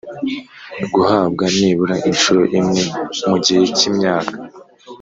guhabwa nibura inshuro imwe mu gihe cy imyaka